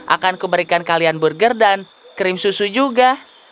akanku berikan kalian burger dan krim susu juga